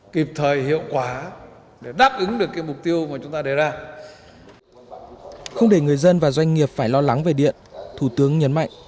không để người dân và doanh nghiệp phải lo lắng về điện thủ tướng nhấn mạnh